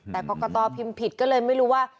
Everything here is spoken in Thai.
แต่กรกตพิมพ์ผิดก็เลยไม่รู้ว่า